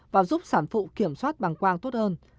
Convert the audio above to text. và giúp sản phụ kiểm soát bằng quang tốt hơn